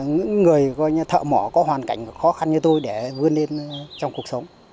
những người thợ mỏ có hoàn cảnh khó khăn như tôi để vươn lên trong cuộc sống